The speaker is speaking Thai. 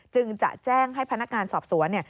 จึงจะแจ้งให้พนักการสอบสวน